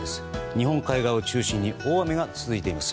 日本海側を中心に大雨が続いています。